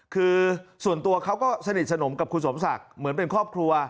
คือส่วนตัวเขาก็สนิทสนมกับคุณสมศักดิ์เหมือนเป็นครอบครัว